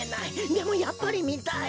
でもやっぱりみたい。